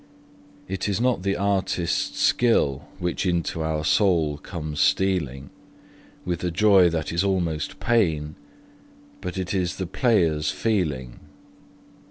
It is not the artist's skill which into our soul comes stealing With a joy that is almost pain, but it is the player's feeling.